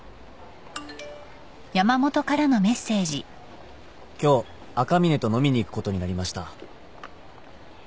「今日赤嶺と飲みに行くことになりました」